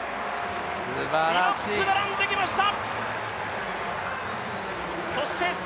ピノック、並んできました！